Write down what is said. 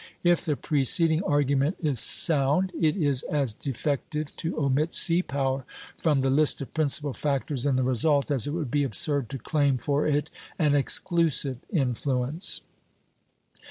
If the preceding argument is sound, it is as defective to omit sea power from the list of principal factors in the result, as it would be absurd to claim for it an exclusive influence.